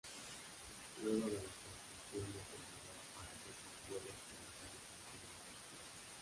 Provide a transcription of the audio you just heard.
Luego de la construcción del terminal para albergar vuelos comerciales se amplió la pista.